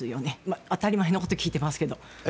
当たり前のことを聞いてますけど。